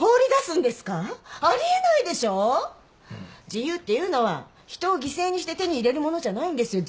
自由っていうのは人を犠牲にして手に入れるものじゃないんですよ。